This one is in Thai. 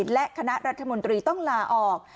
และคณะรัฐมนตรีต้องลาออก